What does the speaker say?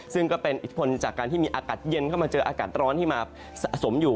ซึ่งก็เป็นอิทธิพลจากการที่มีอากาศเย็นเข้ามาเจออากาศร้อนที่มาสะสมอยู่